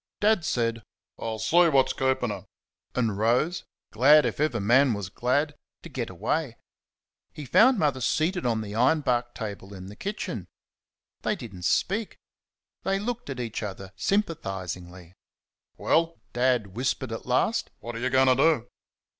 Dad said: "I'll see what's keeping her," and rose glad if ever man was glad to get away. He found Mother seated on the ironbark table in the kitchen. They did n't speak. They looked at each other sympathisingly. "Well?" Dad whispered at last; "what are you going to do?"